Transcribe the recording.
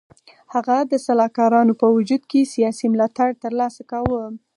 هغه د سلاکارانو په وجود کې سیاسي ملاتړ تر لاسه کاوه.